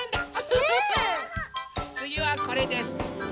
つぎはこれです！